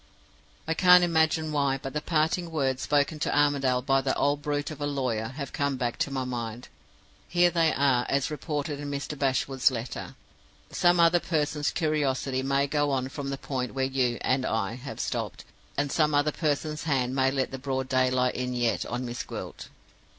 "I can't imagine why, but the parting words spoken to Armadale by that old brute of a lawyer have come back to my mind! Here they are, as reported in Mr. Bashwood's letter: 'Some other person's curiosity may go on from the point where you (and I) have stopped, and some other person's hand may let the broad daylight in yet on Miss Gwilt.